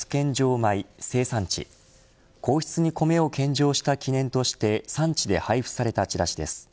米生産地皇室に米を献上した記念として産地で配布されたチラシです。